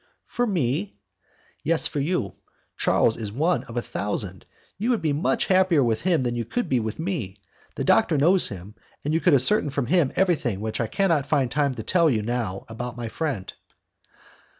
"For me?" "Yes, for you. Charles is one of a thousand; you would be much happier with him than you could be with me; the doctor knows him, and you could ascertain from him everything which I cannot find time to tell you now about my friend."